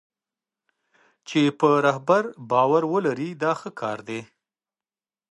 چې په رهبر باور ولري دا ښه کار دی.